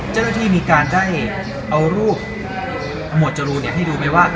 เจ้าหน้าที่มีการได้เอารูปหมวดจรูนให้ดูไหมว่า